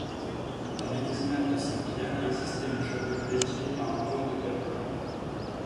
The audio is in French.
Dans l'église mère de Saint-Pierre, existait une chapelle dédiée à Antoine de Padoue.